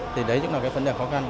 thì đấy cũng là cái vấn đề khó khăn